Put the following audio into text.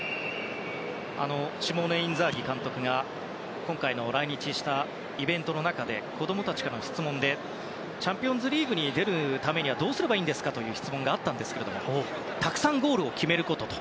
シモーネ・インザーギ監督が今回、来日したイベントの中で子供たちからの質問でチャンピオンズリーグに出るためにはどうすればいいんですか？という質問があったんですがたくさんゴールを決めることと。